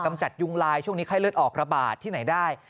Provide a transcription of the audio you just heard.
ำจัดยุงลายช่วงนี้ไข้เลือดออกระบาดที่ไหนได้